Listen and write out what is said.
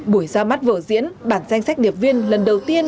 buổi ra mắt vở diễn bản danh sách điệp viên lần đầu tiên